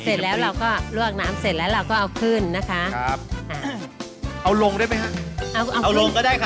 เสร็จแล้วเราก็ลวกน้ำเสร็จแล้วเราก็เอาขึ้นนะคะครับเอาลงได้ไหมฮะเอาลงก็ได้ค่ะ